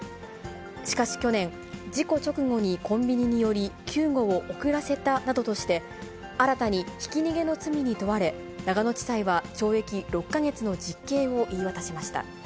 しかし去年、事故直後にコンビニに寄り、救護を遅らせたなどとして、新たにひき逃げの罪に問われ、長野地裁は懲役６か月の実刑を言い渡しました。